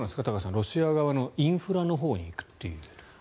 ロシア側のインフラのほうに行くというのは。